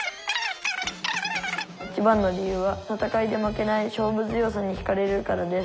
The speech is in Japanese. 「いちばんの理由は戦いで負けない勝負強さにひかれるからです。